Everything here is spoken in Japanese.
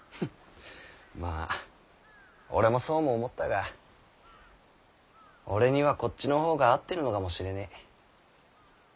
まぁ俺もそうも思ったが俺にはこっちの方が合ってるのかもしれねぇ。